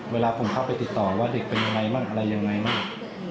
เวลาผมเข้าไปติดต่อว่าเด็กเป็นยังไงบ้างอะไรยังไงบ้าง